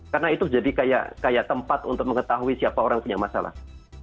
karena itu jadi kayak tempat untuk mengetahui siapa orang punya masalah